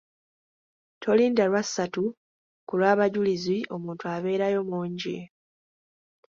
Tolinda lwa ssatu ku lw'abajulizi omuntu abeerayo mungi.